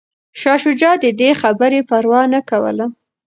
شاه شجاع د دې خبرې پروا نه کوله.